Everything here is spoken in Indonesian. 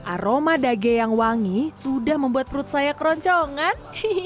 aroma dage yang wangi sudah membuat perut saya keroncongan